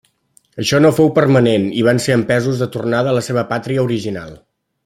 Això no fou permanent i van ser empesos de tornada a la seva pàtria original.